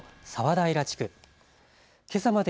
平地区。